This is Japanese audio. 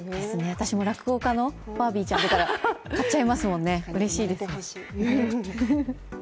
私も落語家のバービーちゃんでたら買っちゃいますもんね、うれしいです。